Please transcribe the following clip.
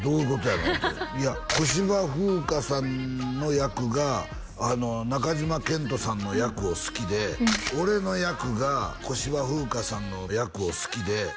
言うたら「いや小芝風花さんの役が中島健人さんの役を好きで」「俺の役が小芝風花さんの役を好きで」